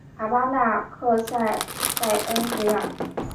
卡巴纳克塞盖恩维尔。